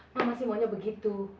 mama sih maunya begitu